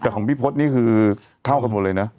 แต่ของพี่พศนี่คือเท่ากันหมดเลยนะ